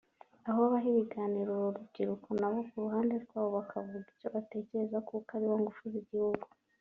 aho baha ibiganiro uru rubyiruko nabo ku ruhande rwabo bakavuga icyo batekereza kuko aribo ngufu z’igihugu